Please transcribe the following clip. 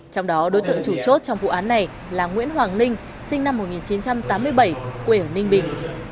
trong đó đối tượng chủ chốt trong vụ án này là nguyễn hoàng ninh sinh năm một nghìn chín trăm tám mươi bảy quê ở ninh bình